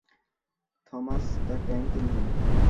Thomas the tank engine.